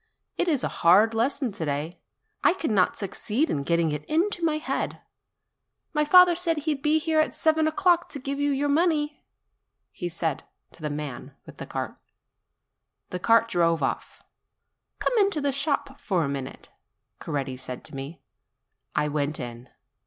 It is a hard lesson to day; I cannot succeed in getting it into my head. My father said that he would be here at seven o'clock to give you your money," he said to the man with the cart. The cart drove off. "Come into the shop a minute," Coretti said to me. I went in.